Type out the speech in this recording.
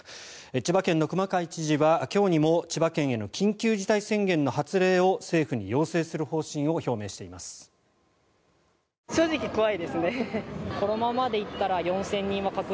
千葉県の熊谷知事は今日にも千葉県への緊急事態宣言の発令を政府に要請する方針を表明しています。